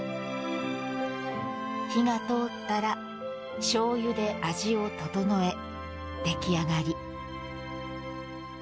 火が通ったらしょうゆで味を調え、できあがり。